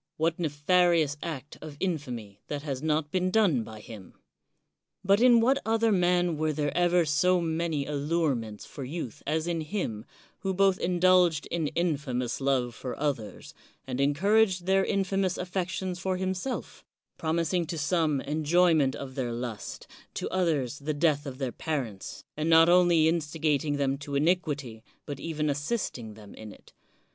What nefarious act of in famy that has not been done by him ? But in what other man were there ever so many allurements for youth as in him, who both 117 THE WORLD'S FAMOUS ORATIONS indulged in infamous love for others, and en couraged their infamous affections for himself, promising to some enjoyment of their lust, to others the death of their parents, and not only instigating them to iniquity, but even assisting them in it.